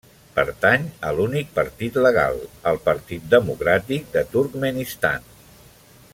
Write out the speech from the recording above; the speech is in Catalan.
Pertany a l'únic partit legal, el Partit Democràtic de Turkmenistan.